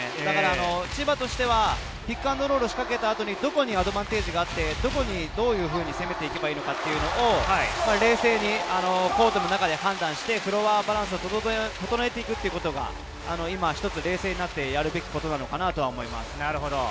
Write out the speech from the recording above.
千葉としてはピックアンドロールを仕掛けた後にどこにアドバンテージがあって、どこにどう攻めていくのかを冷静にコートの中で判断をして、フロアバランスを整えていくということが今一つ、やるべきことなのかなと思います。